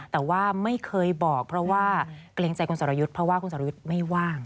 แต่ว่าไม่เคยบอกเพราะว่ากระเรงใจคุณสารยุทธิ์